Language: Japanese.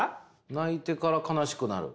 泣いてから悲しくなる。